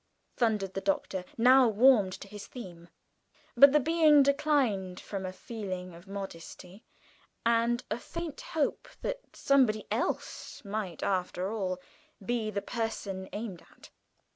thundered the Doctor, now warmed to his theme. But the being declined from a feeling of modesty, and a faint hope that somebody else might, after all, be the person aimed at.